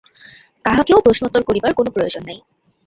কাহাকেও প্রশ্নোত্তর করিবার কোনো প্রয়োজন নাই।